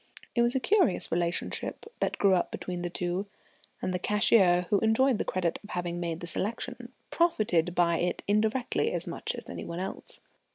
It was a curious relationship that grew up between the two, and the cashier, who enjoyed the credit of having made the selection, profited by it indirectly as much as any one else.